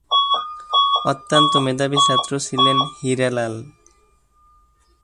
অত্যন্ত মেধাবী ছাত্র ছিলেন হীরালাল।